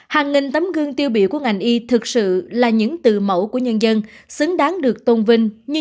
hàng nghìn tấm gương tiêu biểu của ngành y thực sự là những từ mẫu của nhân dân xứng đáng được tôn vinh như